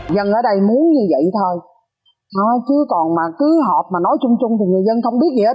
dân ở đây muốn như vậy thôi chứ còn mà cứ hộp mà nói chung chung thì người dân không biết gì hết